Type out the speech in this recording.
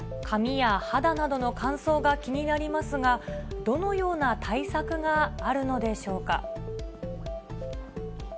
髪や肌などの乾燥が気になりますが、どのような対策があるのでしょうか。